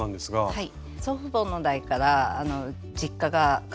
はい。